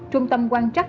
trung tâm quan trắc